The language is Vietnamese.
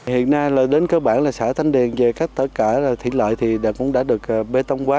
hiện nay đến cơ bản là xã thanh điền về tất cả thị lợi cũng đã được bê tông quá